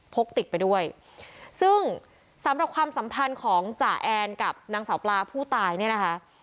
พกติดไปด้วยซึ่งสำหรับความสัมพันธ์ของจ่าแอนกับนางสาวปลาผู้ตายเนี่ยนะคะ